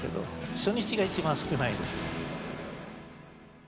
初日が一番少ないです。